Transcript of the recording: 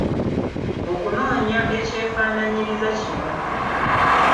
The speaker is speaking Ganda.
Okunoonya ekyefaanaanyiriza kino.